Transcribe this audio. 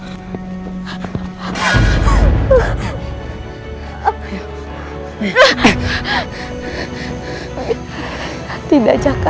saya tidak sempurna